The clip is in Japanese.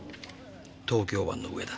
東京湾の上だ。